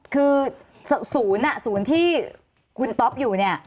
คือศูนย์ที่คุณต๊อบอยู่